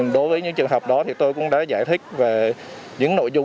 đối với những trường hợp đó thì tôi cũng đã giải thích về những nội dung